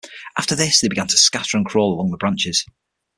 After this they begin to scatter and crawl along the branches.